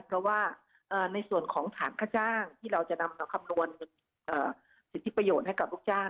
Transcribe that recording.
เพราะว่าในส่วนของฐานค่าจ้างที่เราจะนำมาคำนวณสิทธิประโยชน์ให้กับลูกจ้าง